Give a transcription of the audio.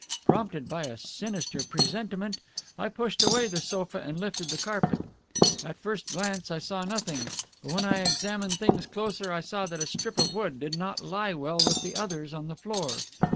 Prompted by a sinister presentiment, I pushed away the sofa and I lifted the carpet. At first glance I saw nothing, but when I examined things closer I saw that a strip of wood did not lie well with the others on the floor.